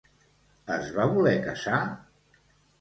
Es va voler casar?